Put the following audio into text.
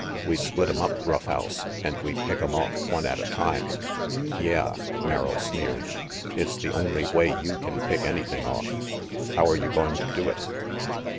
"We split 'em up, Rough House, and we pick 'em off one at a time "Yeah!" Merrill sneered, "it's the only way you can pick anything off. How're you going to do it?"